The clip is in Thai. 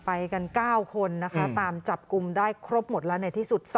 ไปกัน๙คนนะคะตามจับกลุ่มได้ครบหมดแล้วในที่สุด